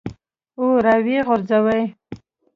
او راویې غورځوې.